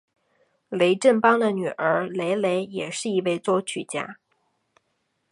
雷振邦的女儿雷蕾也是一位作曲家。